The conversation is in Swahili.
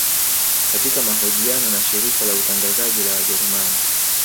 Katika mahojiano na shirika la utangazaji la wajerumani